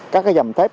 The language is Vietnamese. các dầm thép